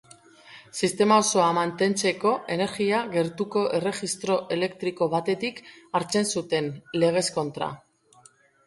Sistema osoa mantentzeko energia gertuko erregistro elektriko batetik hartzen zuten, legez kontra.